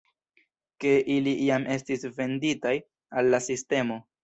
Ke ili jam estis "venditaj" al la sistemo.